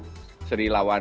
harusnya kita bisa menang